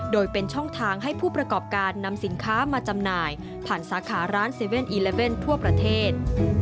โดยเป็นช่องทางให้ผู้ประกอบการนำสินค้ามาจำหน่ายผ่านสาขาร้าน๗๑๑ทั่วประเทศ